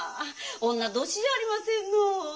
女同士じゃありませんの。